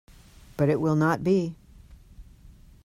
But it will not be.